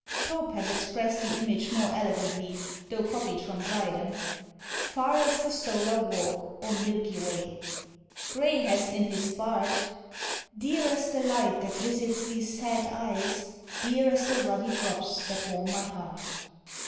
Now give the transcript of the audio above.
Pope has expressed the image more elegantly, though copied from Dryden, Far as the SOLAR WALK, or milky way. Gray has in his "Bard," Dear as the light that visits these sad eyes, Dear as the ruddy drops that warm my heart.